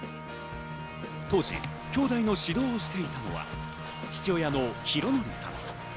当時、きょうだいの指導をしていたのは父親の宏典さん。